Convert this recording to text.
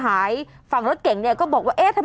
เปิดไฟขอทางออกมาแล้วอ่ะ